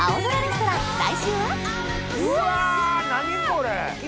うわ何これ！